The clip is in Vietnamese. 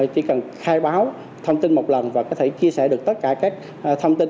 chỉ cần khai báo thông tin một lần và có thể chia sẻ được tất cả các thông tin